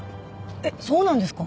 えっそうなんですか？